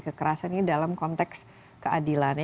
kekerasan ini dalam konteks keadilan